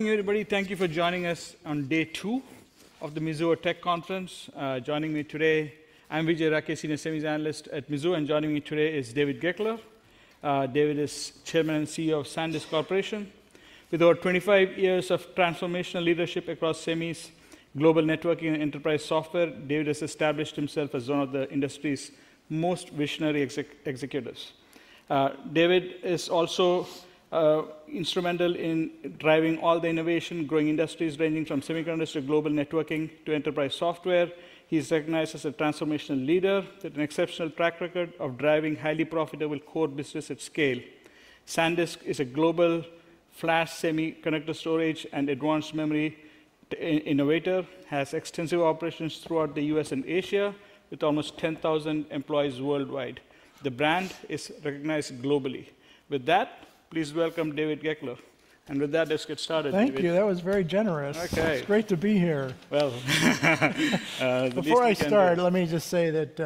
Everybody, thank you for joining us on day two of the Mizuho Tech Conference. Joining me today, I'm Vijay Rakesh, Senior Semis Analyst at Mizuho, and joining me today is David Goeckeler. David is Chairman and CEO of SanDisk Corporation. With over 25 years of transformational leadership across semis, global networking, and enterprise software, David has established himself as one of the industry's most visionary executives. David is also instrumental in driving all the innovation, growing industries ranging from semiconductor to global networking to enterprise software. He's recognized as a transformational leader with an exceptional track record of driving highly profitable core business at scale. SanDisk is a global flash semiconductor storage and advanced memory innovator, has extensive operations throughout the US and Asia with almost 10,000 employees worldwide. The brand is recognized globally. With that, please welcome David Goeckeler. With that, let's get started. Thank you. That was very generous. Okay. It's great to be here. Well. Before I start, let me just say that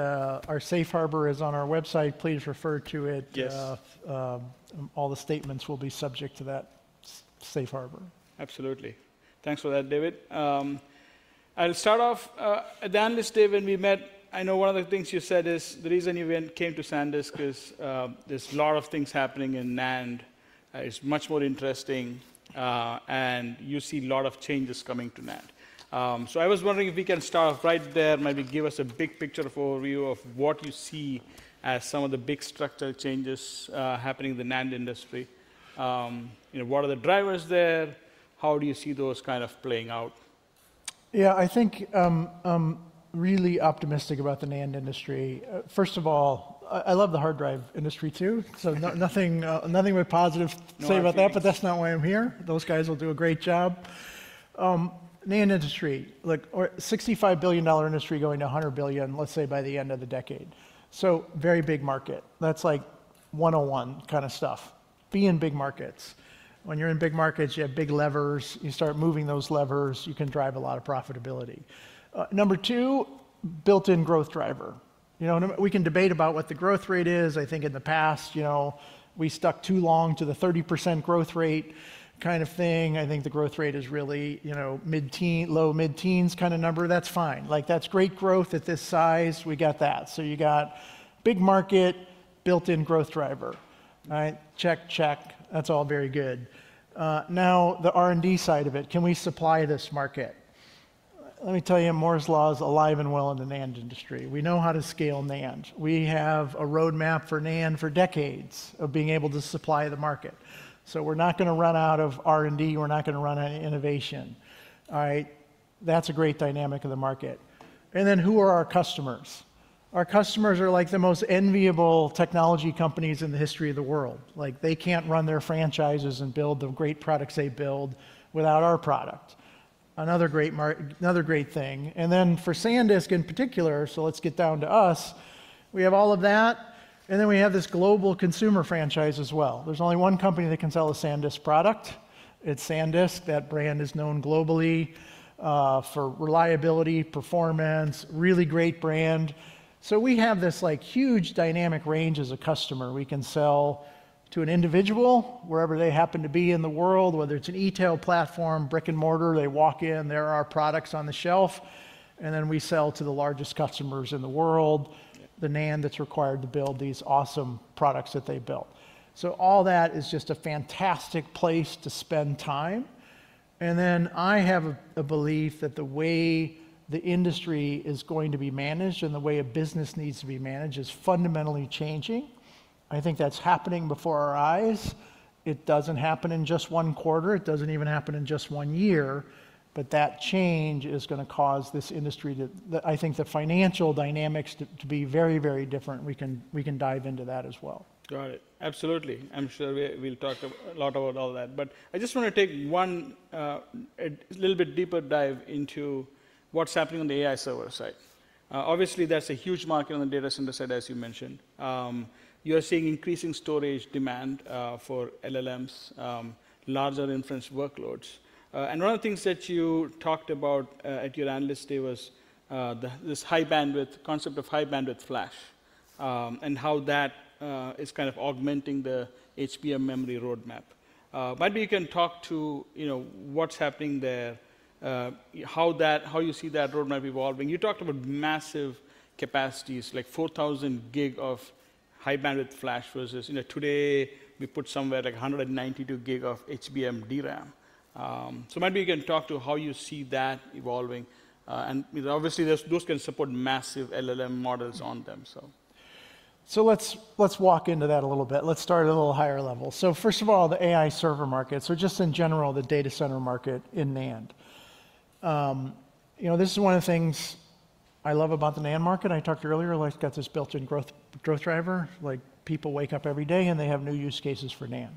our safe harbor is on our website. Please refer to it. Yes. All the statements will be subject to that safe harbor. Absolutely. Thanks for that, David. I'll start off. At the Analyst Day, when we met, I know one of the things you said is the reason you came to SanDisk is there's a lot of things happening in NAND. It's much more interesting, and you see a lot of changes coming to NAND. I was wondering if we can start right there, maybe give us a big picture overview of what you see as some of the big structural changes happening in the NAND industry. What are the drivers there? How do you see those kind of playing out? Yeah, I think I'm really optimistic about the NAND industry. First of all, I love the hard drive industry too. Nothing but positive to say about that, but that's not why I'm here. Those guys will do a great job. NAND industry, $65 billion industry going to $100 billion, let's say by the end of the decade. Very big market. That's like 101 kind of stuff. Be in big markets. When you're in big markets, you have big levers. You start moving those levers. You can drive a lot of profitability. Number two, built-in growth driver. We can debate about what the growth rate is. I think in the past, we stuck too long to the 30% growth rate kind of thing. I think the growth rate is really low mid-teens kind of number. That's fine. That's great growth at this size. We got that. You got big market, built-in growth driver. Check, check. That's all very good. Now, the R&D side of it. Can we supply this market? Let me tell you, Moore's Law is alive and well in the NAND industry. We know how to scale NAND. We have a roadmap for NAND for decades of being able to supply the market. We're not going to run out of R&D. We're not going to run out of innovation. That's a great dynamic of the market. Who are our customers? Our customers are like the most enviable technology companies in the history of the world. They can't run their franchises and build the great products they build without our product. Another great thing. For SanDisk in particular, let's get down to us, we have all of that. We have this global consumer franchise as well. There's only one company that can sell a SanDisk product. It's SanDisk. That brand is known globally for reliability, performance, really great brand. We have this huge dynamic range as a customer. We can sell to an individual, wherever they happen to be in the world, whether it's an e-tail platform, brick and mortar, they walk in, there are our products on the shelf. We sell to the largest customers in the world, the NAND that's required to build these awesome products that they build. All that is just a fantastic place to spend time. I have a belief that the way the industry is going to be managed and the way a business needs to be managed is fundamentally changing. I think that's happening before our eyes. It doesn't happen in just one quarter. It doesn't even happen in just one year. That change is going to cause this industry, I think the financial dynamics, to be very, very different. We can dive into that as well. Got it. Absolutely. I'm sure we'll talk a lot about all that. I just want to take one a little bit deeper dive into what's happening on the AI server side. Obviously, that's a huge market on the data center side, as you mentioned. You're seeing increasing storage demand for LLMs, larger inference workloads. One of the things that you talked about at your Analyst Day was this high bandwidth concept of high bandwidth flash and how that is kind of augmenting the HBM memory roadmap. Maybe you can talk to what's happening there, how you see that roadmap evolving. You talked about massive capacities, like 4,000 GB of high bandwidth flash versus today, we put somewhere like 192 GB of HBM DRAM. Maybe you can talk to how you see that evolving. Obviously, those can support massive LLM models on them. Let's walk into that a little bit. Let's start at a little higher level. First of all, the AI server market. Just in general, the data center market in NAND. This is one of the things I love about the NAND market. I talked earlier, I got this built-in growth driver. People wake up every day and they have new use cases for NAND.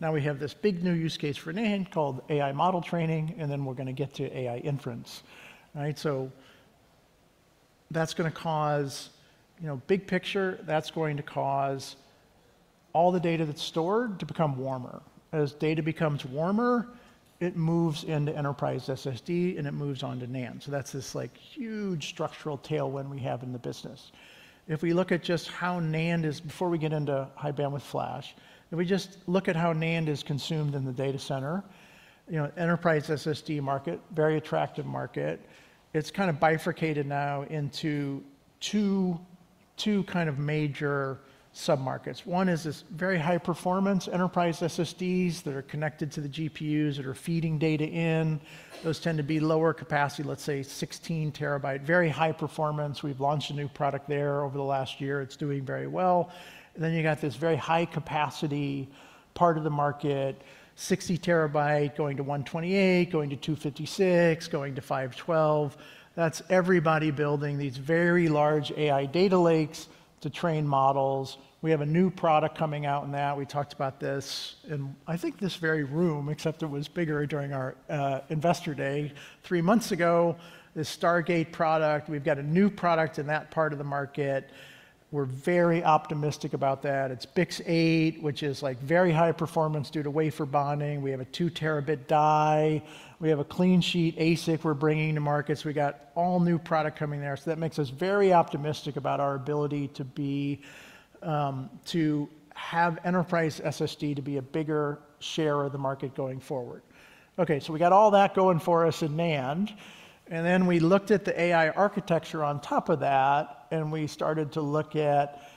Now we have this big new use case for NAND called AI model training, and then we're going to get to AI inference. That's going to cause, big picture, that's going to cause all the data that's stored to become warmer. As data becomes warmer, it moves into enterprise SSD and it moves on to NAND. That's this huge structural tailwind we have in the business. If we look at just how NAND is, before we get into high bandwidth flash, if we just look at how NAND is consumed in the data center, enterprise SSD market, very attractive market, it's kind of bifurcated now into two kind of major sub-markets. One is this very high performance enterprise SSDs that are connected to the GPUs that are feeding data in. Those tend to be lower capacity, let's say 16 TB, very high performance. We've launched a new product there over the last year. It's doing very well. You got this very high capacity part of the market, 60 TB going to 128, going to 256, going to 512. That's everybody building these very large AI data lakes to train models. We have a new product coming out in that. We talked about this in, I think, this very room, except it was bigger during our investor day three months ago, this Stargate product. We've got a new product in that part of the market. We're very optimistic about that. It's BiCS8, which is very high performance due to wafer bonding. We have a 2 Tb die. We have a clean sheet ASIC we're bringing to market. So we got all new product coming there. That makes us very optimistic about our ability to have enterprise SSD to be a bigger share of the market going forward. Okay, we got all that going for us in NAND. Then we looked at the AI architecture on top of that, and we started to look at,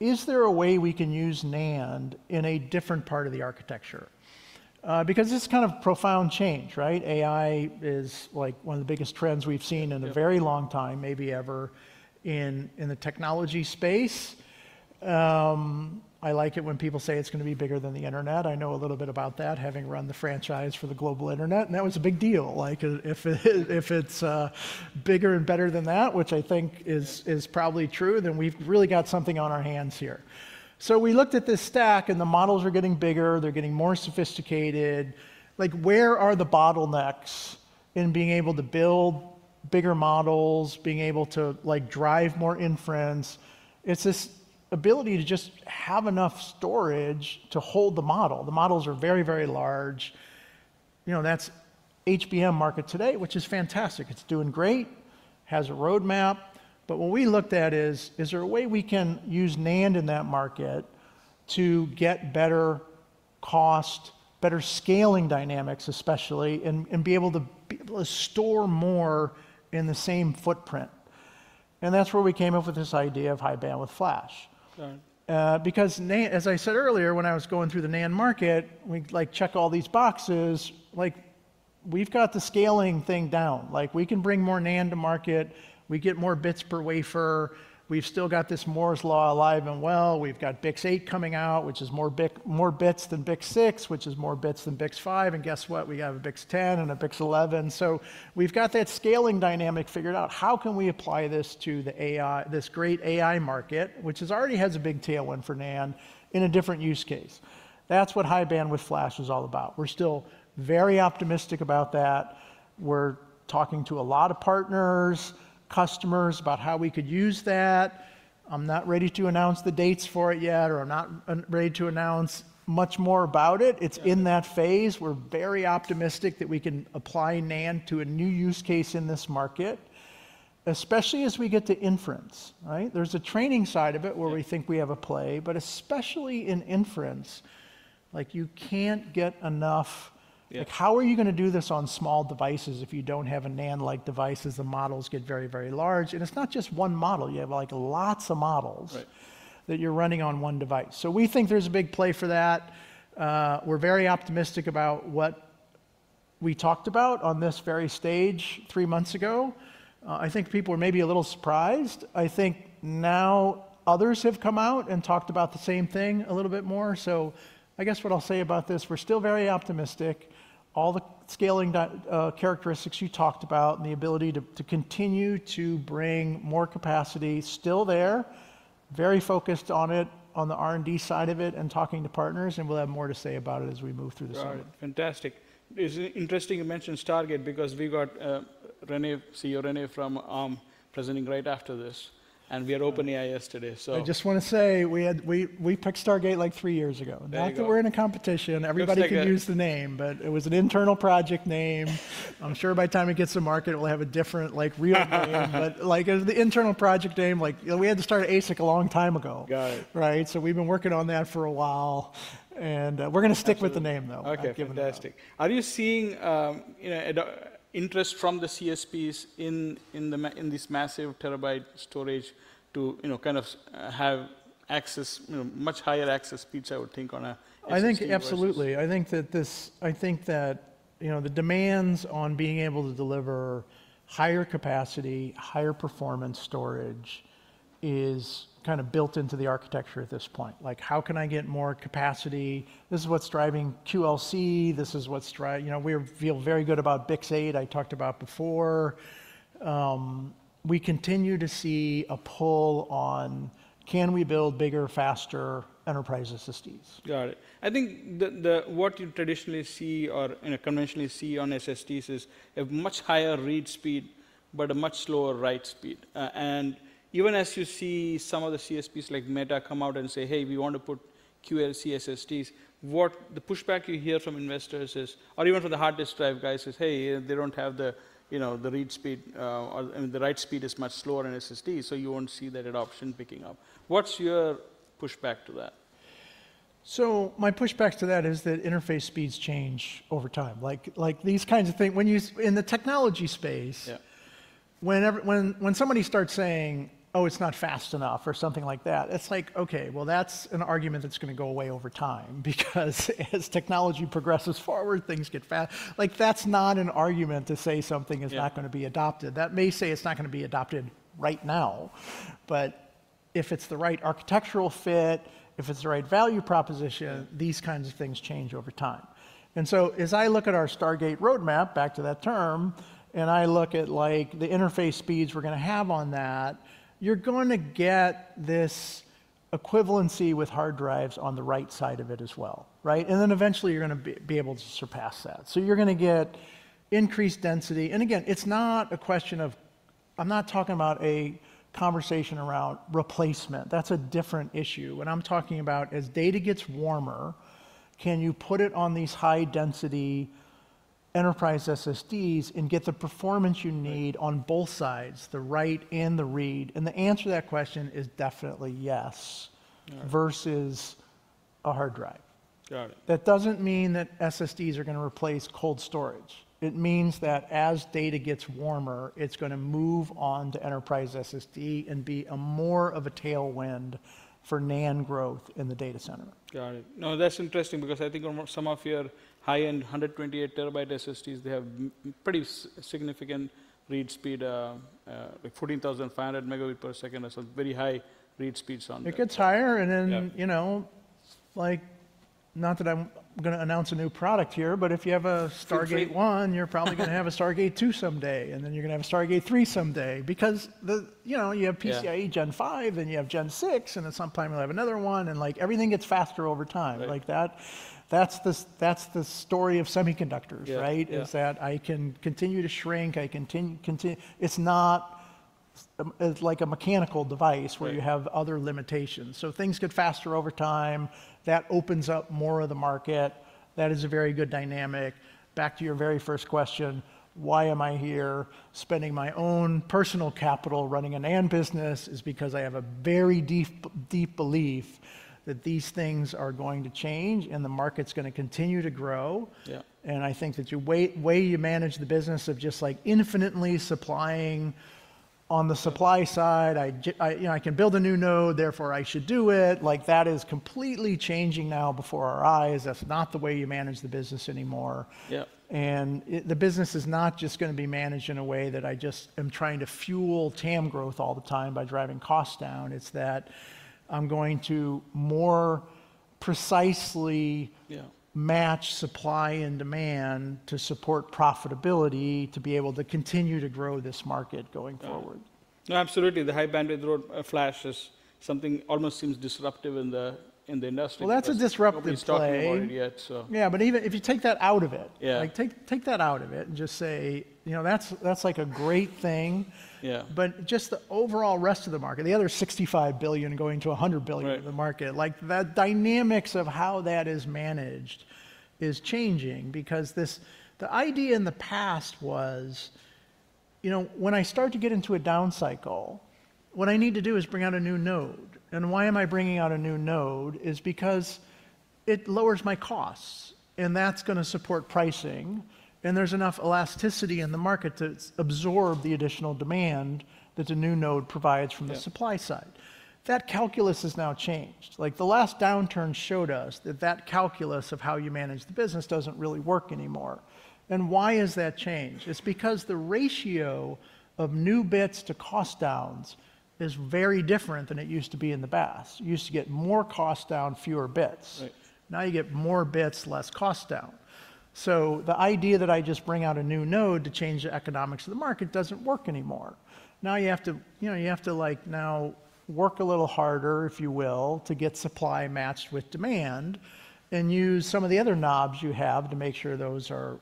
is there a way we can use NAND in a different part of the architecture? Because it's kind of profound change. AI is one of the biggest trends we've seen in a very long time, maybe ever, in the technology space. I like it when people say it's going to be bigger than the internet. I know a little bit about that, having run the franchise for the global internet. And that was a big deal. If it's bigger and better than that, which I think is probably true, then we've really got something on our hands here. We looked at this stack, and the models are getting bigger. They're getting more sophisticated. Where are the bottlenecks in being able to build bigger models, being able to drive more inference? It's this ability to just have enough storage to hold the model. The models are very, very large. That's HBM market today, which is fantastic. It's doing great, has a roadmap. What we looked at is, is there a way we can use NAND in that market to get better cost, better scaling dynamics, especially, and be able to store more in the same footprint? That is where we came up with this idea of high bandwidth flash. Because, as I said earlier, when I was going through the NAND market, we check all these boxes. We have got the scaling thing down. We can bring more NAND to market. We get more bits per wafer. We have still got this Moore's Law alive and well. We have got BiCS8 coming out, which is more bits than BiCS6, which is more bits than BiCS5. And guess what? We have a BiCS10 and a BiCS11. We have got that scaling dynamic figured out. How can we apply this to this great AI market, which already has a big tailwind for NAND in a different use case? That is what high bandwidth flash is all about. We are still very optimistic about that. We are talking to a lot of partners, customers about how we could use that. I am not ready to announce the dates for it yet, or I am not ready to announce much more about it. It is in that phase. We are very optimistic that we can apply NAND to a new use case in this market, especially as we get to inference. There is a training side of it where we think we have a play, but especially in inference, you cannot get enough. How are you going to do this on small devices if you do not have a NAND-like device as the models get very, very large? It is not just one model. You have lots of models that you're running on one device. We think there's a big play for that. We're very optimistic about what we talked about on this very stage three months ago. I think people were maybe a little surprised. I think now others have come out and talked about the same thing a little bit more. I guess what I'll say about this, we're still very optimistic. All the scaling characteristics you talked about and the ability to continue to bring more capacity are still there, very focused on it, on the R&D side of it, and talking to partners. We'll have more to say about it as we move through this audit. Fantastic. It's interesting you mentioned Stargate because we got Rene, CEO Rene from ARM, presenting right after this. And we had OpenAI yesterday. I just want to say we picked Stargate like three years ago. Not that we're in a competition. Everybody can use the name, but it was an internal project name. I'm sure by the time it gets to market, it will have a different real name. The internal project name, we had to start ASIC a long time ago. We have been working on that for a while. We are going to stick with the name, though. Okay, fantastic. Are you seeing interest from the CSPs in this massive terabyte storage to kind of have access, much higher access speeds, I would think, on an SSD? I think absolutely. I think that the demands on being able to deliver higher capacity, higher performance storage is kind of built into the architecture at this point. How can I get more capacity? This is what's driving QLC. This is what's driving we feel very good about BiCS8 I talked about before. We continue to see a pull on, can we build bigger, faster enterprise SSDs? Got it. I think what you traditionally see or conventionally see on SSDs is a much higher read speed, but a much slower write speed. Even as you see some of the CSPs like Meta come out and say, hey, we want to put QLC SSDs, the pushback you hear from investors is, or even from the hard disk drive guys, is, hey, they do not have the read speed. The write speed is much slower on SSD, so you will not see that adoption picking up. What is your pushback to that? My pushback to that is that interface speeds change over time. These kinds of things, in the technology space, when somebody starts saying, oh, it's not fast enough or something like that, it's like, okay, well, that's an argument that's going to go away over time because as technology progresses forward, things get fast. That's not an argument to say something is not going to be adopted. That may say it's not going to be adopted right now. If it's the right architectural fit, if it's the right value proposition, these kinds of things change over time. As I look at our Stargate roadmap, back to that term, and I look at the interface speeds we're going to have on that, you're going to get this equivalency with hard drives on the right side of it as well. Eventually, you're going to be able to surpass that. You're going to get increased density. Again, it's not a question of—I'm not talking about a conversation around replacement. That's a different issue. What I'm talking about is data gets warmer. Can you put it on these high density enterprise SSDs and get the performance you need on both sides, the write and the read? The answer to that question is definitely yes versus a hard drive. That doesn't mean that SSDs are going to replace cold storage. It means that as data gets warmer, it's going to move on to enterprise SSD and be more of a tailwind for NAND growth in the data center. Got it. No, that's interesting because I think some of your high-end 128 TB SSDs, they have pretty significant read speed, like 14,500 Mb per second or something, very high read speeds on them. It gets higher. Not that I'm going to announce a new product here, but if you have a Stargate 1, you're probably going to have a Stargate 2 someday. You're going to have a Stargate 3 someday because you have PCIe Gen 5, then you have Gen 6, and sometime you'll have another one. Everything gets faster over time. That is the story of semiconductors, that I can continue to shrink. It's not like a mechanical device where you have other limitations. Things get faster over time. That opens up more of the market. That is a very good dynamic. Back to your very first question, why am I here spending my own personal capital running a NAND business? It's because I have a very deep belief that these things are going to change and the market's going to continue to grow. I think that the way you manage the business of just infinitely supplying on the supply side, I can build a new node, therefore I should do it. That is completely changing now before our eyes. That is not the way you manage the business anymore. The business is not just going to be managed in a way that I just am trying to fuel TAM growth all the time by driving costs down. It is that I am going to more precisely match supply and demand to support profitability to be able to continue to grow this market going forward. Absolutely. The high bandwidth flash is something that almost seems disruptive in the industry. That is a disruptive topic yet. Yeah, but even if you take that out of it, take that out of it and just say, that is like a great thing. Just the overall rest of the market, the other $65 billion going to $100 billion of the market, that dynamics of how that is managed is changing because the idea in the past was, when I start to get into a down cycle, what I need to do is bring out a new node. Why am I bringing out a new node? It is because it lowers my costs, and that is going to support pricing. There is enough elasticity in the market to absorb the additional demand that the new node provides from the supply side. That calculus has now changed. The last downturn showed us that that calculus of how you manage the business does not really work anymore. Why has that changed? It's because the ratio of new bits to cost downs is very different than it used to be in the past. You used to get more cost down, fewer bits. Now you get more bits, less cost down. The idea that I just bring out a new node to change the economics of the market doesn't work anymore. You have to now work a little harder, if you will, to get supply matched with demand and use some of the other knobs you have to make sure those are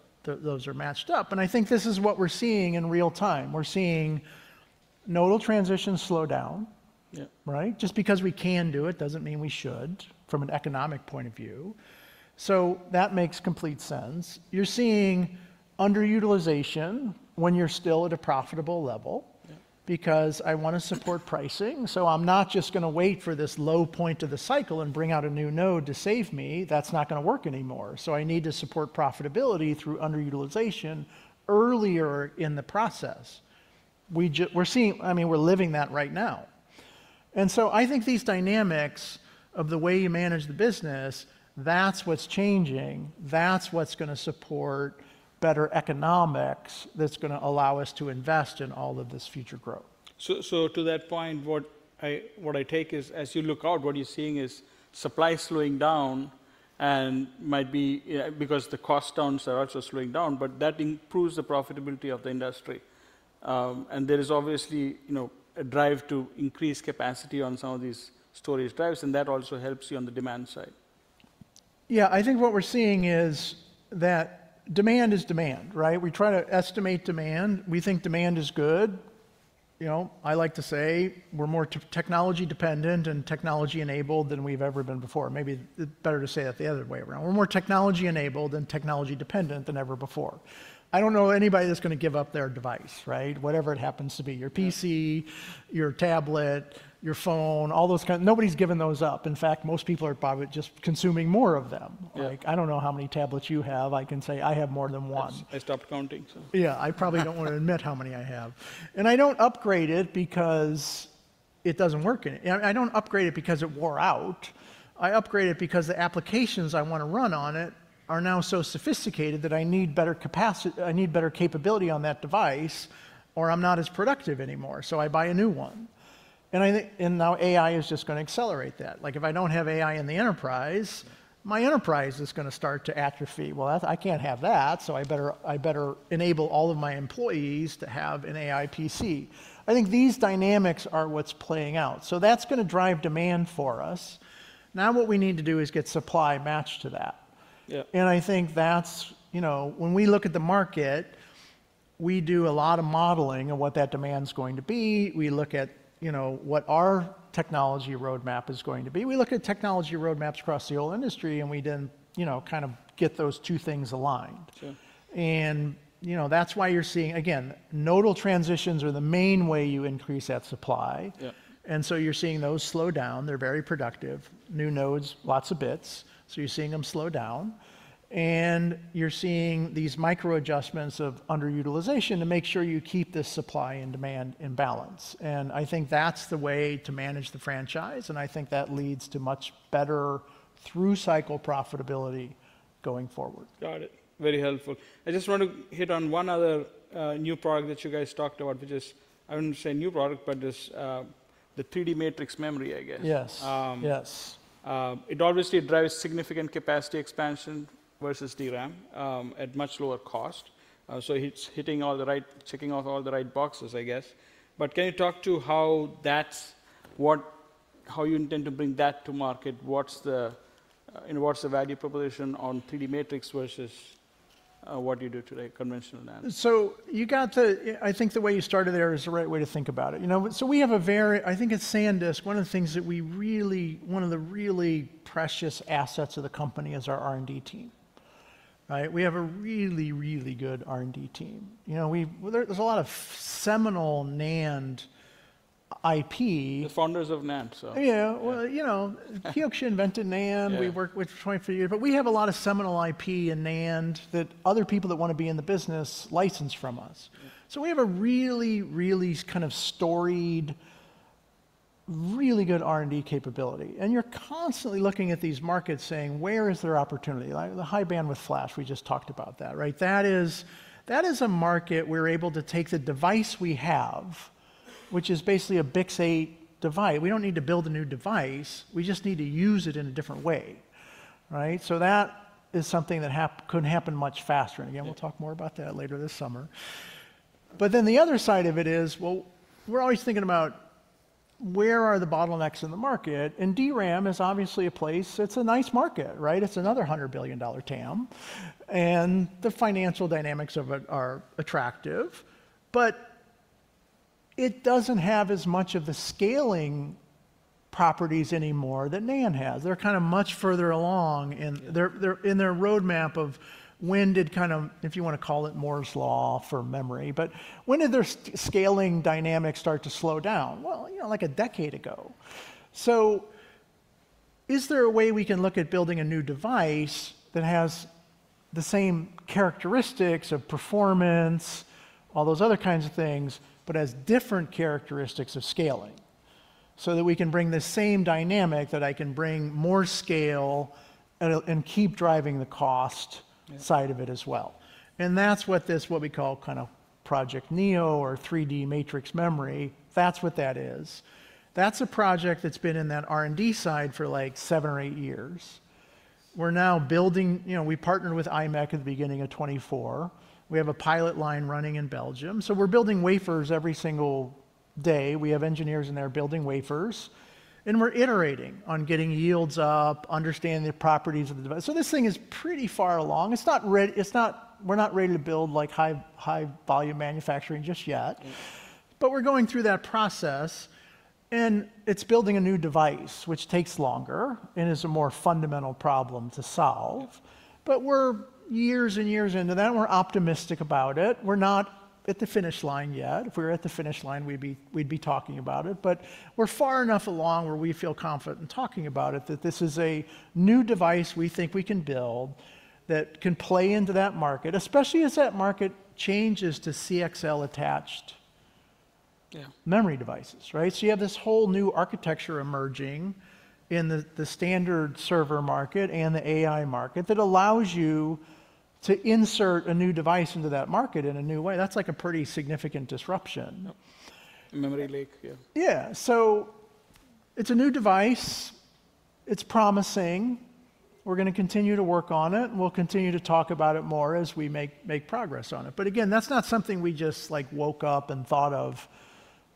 matched up. I think this is what we're seeing in real time. We're seeing nodal transitions slow down. Just because we can do it doesn't mean we should from an economic point of view. That makes complete sense. You're seeing underutilization when you're still at a profitable level because I want to support pricing. I'm not just going to wait for this low point of the cycle and bring out a new node to save me. That's not going to work anymore. I need to support profitability through underutilization earlier in the process. We're living that right now. I think these dynamics of the way you manage the business, that's what's changing. That's what's going to support better economics that's going to allow us to invest in all of this future growth. To that point, what I take is, as you look out, what you're seeing is supply slowing down because the cost downs are also slowing down, but that improves the profitability of the industry. There is obviously a drive to increase capacity on some of these storage drives, and that also helps you on the demand side. Yeah, I think what we're seeing is that demand is demand. We try to estimate demand. We think demand is good. I like to say we're more technology dependent and technology enabled than we've ever been before. Maybe it's better to say it the other way around. We're more technology enabled and technology dependent than ever before. I don't know anybody that's going to give up their device, whatever it happens to be, your PC, your tablet, your phone, all those kinds. Nobody's giving those up. In fact, most people are just consuming more of them. I don't know how many tablets you have. I can say I have more than one. I stopped counting. Yeah, I probably do not want to admit how many I have. I do not upgrade it because it does not work. I do not upgrade it because it wore out. I upgrade it because the applications I want to run on it are now so sophisticated that I need better capacity, I need better capability on that device, or I am not as productive anymore, so I buy a new one. AI is just going to accelerate that. If I do not have AI in the enterprise, my enterprise is going to start to atrophy. I cannot have that, so I better enable all of my employees to have an AI PC. I think these dynamics are what is playing out. That is going to drive demand for us. Now what we need to do is get supply matched to that. I think when we look at the market, we do a lot of modeling of what that demand's going to be. We look at what our technology roadmap is going to be. We look at technology roadmaps across the whole industry, and we then kind of get those two things aligned. That is why you're seeing, again, nodal transitions are the main way you increase that supply. You are seeing those slow down. They are very productive. New nodes, lots of bits. You are seeing them slow down. You are seeing these micro adjustments of underutilization to make sure you keep this supply and demand in balance. I think that is the way to manage the franchise. I think that leads to much better through cycle profitability going forward. Got it. Very helpful. I just want to hit on one other new product that you guys talked about, which is, I would not say new product, but the 3D Matrix Memory, I guess. Yes. It obviously drives significant capacity expansion versus DRAM at much lower cost. It is hitting all the right, checking off all the right boxes, I guess. Can you talk to how you intend to bring that to market? What is the value proposition on 3D Matrix versus what you do today, conventional NAND? I think the way you started there is the right way to think about it. We have a very, I think at SanDisk, one of the things that we really, one of the really precious assets of the company is our R&D team. We have a really, really good R&D team. There is a lot of seminal NAND IP. The founders of NAND, so. Yeah. He actually invented NAND. We worked with him for 23 years. But we have a lot of seminal IP in NAND that other people that want to be in the business license from us. So we have a really, really kind of storied, really good R&D capability. And you're constantly looking at these markets saying, where is there opportunity? The high bandwidth flash, we just talked about that. That is a market where we're able to take the device we have, which is basically a BiCS8 device. We don't need to build a new device. We just need to use it in a different way. That is something that could happen much faster. Again, we'll talk more about that later this summer. The other side of it is, well, we're always thinking about where are the bottlenecks in the market? DRAM is obviously a place. It's a nice market. It's another $100 billion TAM. The financial dynamics of it are attractive. It doesn't have as much of the scaling properties anymore that NAND has. They're kind of much further along in their roadmap of when did kind of, if you want to call it Moore's law for memory, but when did their scaling dynamics start to slow down? Like a decade ago. Is there a way we can look at building a new device that has the same characteristics of performance, all those other kinds of things, but has different characteristics of scaling so that we can bring the same dynamic that I can bring more scale and keep driving the cost side of it as well? That's what we call kind of Project Neo or 3D Matrix Memory. That's what that is. That's a project that's been in that R&D side for like seven or eight years. We're now building. We partnered with IMEC at the beginning of 2024. We have a pilot line running in Belgium. We're building wafers every single day. We have engineers in there building wafers. We're iterating on getting yields up, understanding the properties of the device. This thing is pretty far along. We're not ready to build high volume manufacturing just yet, but we're going through that process. It's building a new device, which takes longer and is a more fundamental problem to solve. We're years and years into that. We're optimistic about it. We're not at the finish line yet. If we were at the finish line, we'd be talking about it. We're far enough along where we feel confident in talking about it that this is a new device we think we can build that can play into that market, especially as that market changes to CXL attached memory devices. You have this whole new architecture emerging in the standard server market and the AI market that allows you to insert a new device into that market in a new way. That's like a pretty significant disruption. Memory leak, yeah. Yeah. So it's a new device. It's promising. We're going to continue to work on it. We'll continue to talk about it more as we make progress on it. Again, that's not something we just woke up and thought of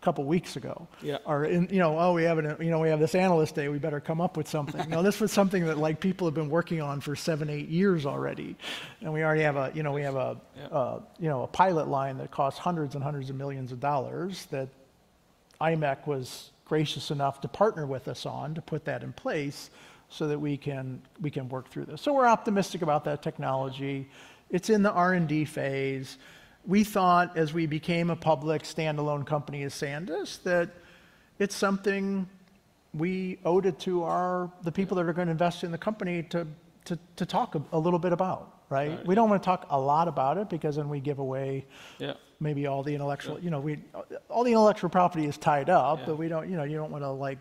a couple of weeks ago. Oh, we have this analyst day. We better come up with something. No, this was something that people have been working on for seven, eight years already. We already have a pilot line that costs hundreds and hundreds of millions of dollars that IMEC was gracious enough to partner with us on to put that in place so that we can work through this. We're optimistic about that technology. It's in the R&D phase. We thought as we became a public standalone company as SanDisk that it's something we owed it to the people that are going to invest in the company to talk a little bit about. We don't want to talk a lot about it because then we give away maybe all the intellectual. All the intellectual property is tied up, but you don't want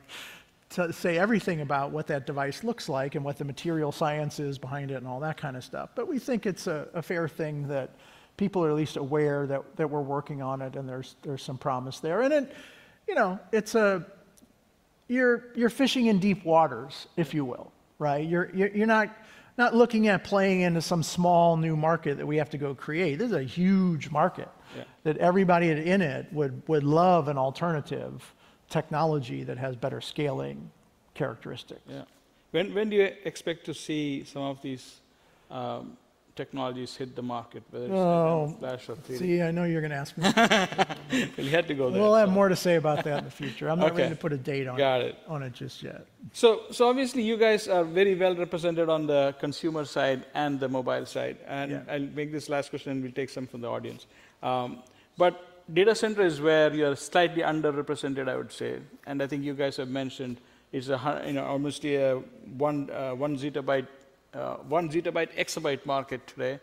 to say everything about what that device looks like and what the material science is behind it and all that kind of stuff. We think it's a fair thing that people are at least aware that we're working on it and there's some promise there. You're fishing in deep waters, if you will. You're not looking at playing into some small new market that we have to go create. This is a huge market that everybody in it would love an alternative technology that has better scaling characteristics. When do you expect to see some of these technologies hit the market, whether it's flash or 3D? See, I know you're going to ask me. We had to go there. I have more to say about that in the future. I'm not going to put a date on it just yet. Obviously, you guys are very well represented on the consumer side and the mobile side. I'll make this last question, and we'll take some from the audience. Data center is where you're slightly underrepresented, I would say. I think you guys have mentioned it's almost a 1 zettabyte exabyte market today,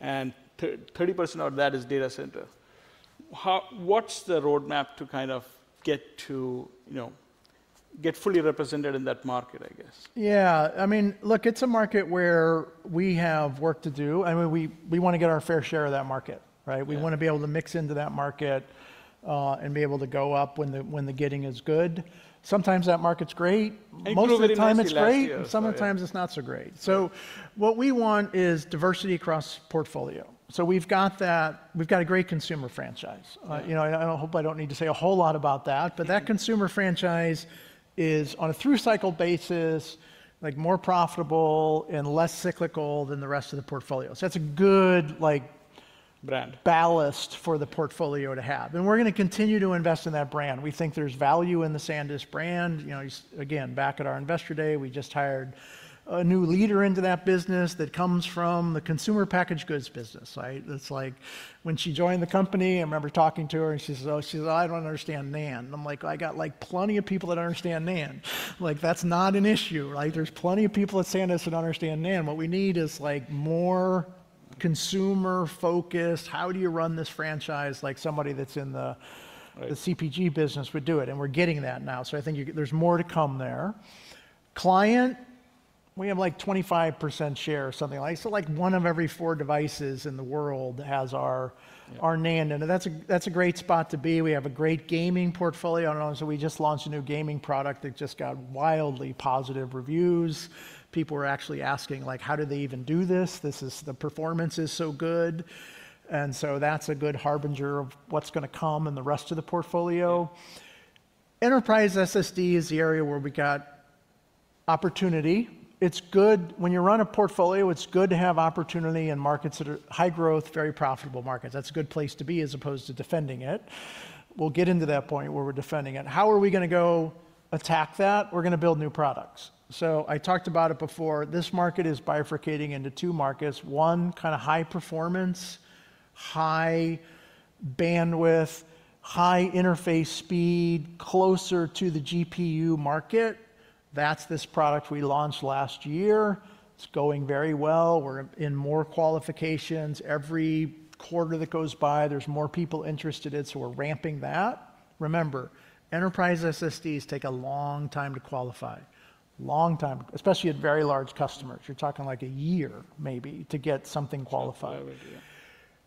and 30% of that is data center. What's the roadmap to kind of get fully represented in that market, I guess? Yeah. I mean, look, it's a market where we have work to do. We want to get our fair share of that market. We want to be able to mix into that market and be able to go up when the getting is good. Sometimes that market's great. Most of the time it's great. Sometimes it's not so great. What we want is diversity across portfolio. We've got a great consumer franchise. I hope I don't need to say a whole lot about that, but that consumer franchise is on a through cycle basis, more profitable and less cyclical than the rest of the portfolio. That's a good ballast for the portfolio to have. We're going to continue to invest in that brand. We think there's value in the SanDisk brand. Again, back at our investor day, we just hired a new leader into that business that comes from the consumer packaged goods business. When she joined the company, I remember talking to her, and she says, "Oh," she says, "I don't understand NAND." I'm like, "I got plenty of people that understand NAND." That's not an issue. There's plenty of people at SanDisk that understand NAND. What we need is more consumer-focused. How do you run this franchise? Somebody that's in the CPG business would do it. We are getting that now. I think there's more to come there. Client, we have like 25% share or something like that. Like one of every four devices in the world has our NAND. That's a great spot to be. We have a great gaming portfolio. We just launched a new gaming product that just got wildly positive reviews. People were actually asking, "How did they even do this? The performance is so good." That is a good harbinger of what is going to come in the rest of the portfolio. Enterprise SSD is the area where we got opportunity. When you run a portfolio, it is good to have opportunity in markets that are high growth, very profitable markets. That is a good place to be as opposed to defending it. We will get into that point where we are defending it. How are we going to go attack that? We are going to build new products. I talked about it before. This market is bifurcating into two markets. One kind of high performance, high bandwidth, high interface speed, closer to the GPU market. That is this product we launched last year. It is going very well. We are in more qualifications. Every quarter that goes by, there's more people interested in it, so we're ramping that. Remember, enterprise SSDs take a long time to qualify. Especially at very large customers, you're talking like a year, maybe, to get something qualified.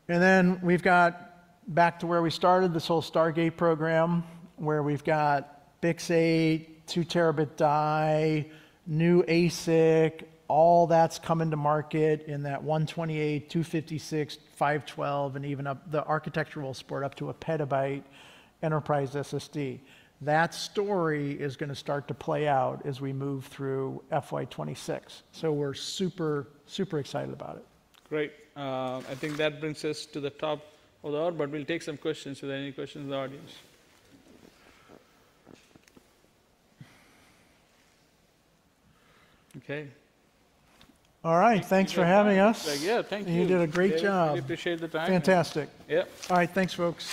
We got back to where we started, this whole Stargate program, where we've got BiCS8, 2 Tb die, new ASIC, all that's coming to market in that 128, 256, 512, and even the architectural support up to a PT enterprise SSD. That story is going to start to play out as we move through FY2026. We are super, super excited about it. Great. I think that brings us to the top of the hour, but we'll take some questions. Are there any questions in the audience? Okay. All right. Thanks for having us. Yeah, thank you. You did a great job. Appreciate the time. Fantastic. Yep. All right. Thanks, folks.